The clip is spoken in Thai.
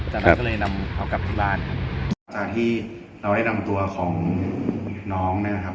จากนั้นก็เลยนำเขากลับที่บ้านครับตามที่เราได้นำตัวของน้องนะครับ